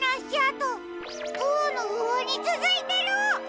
とうのほうにつづいてる！